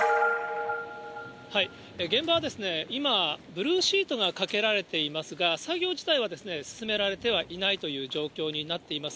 現場は今、ブルーシートがかけられていますが、作業自体は進められてはいないという状況になっています。